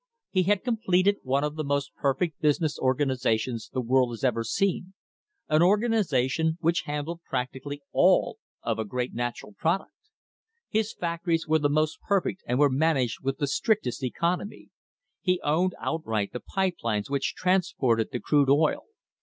He had com pleted one of the most perfect business organisations the world has ever seen, an organisation which handled prac tically all of a great natural product. His factories were the most perfect and were managed with the strictest economy. He owned outright the pipe lines which transported the crude oil.